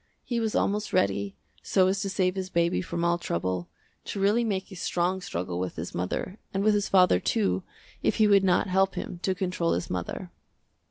He was almost ready, so as to save his baby from all trouble, to really make a strong struggle with his mother and with his father, too, if he would not help him to control his mother.